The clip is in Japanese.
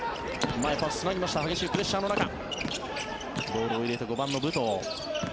パス、入りました激しいプレッシャーの中ボールを入れて５番の武藤。